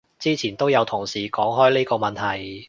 之前都有同事講開呢個問題